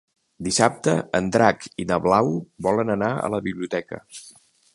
Dissabte en Drac i na Blau volen anar a la biblioteca.